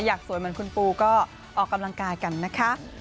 อยากสวยเหมือนคุณปูก็ออกกำลังกายกันนะคะ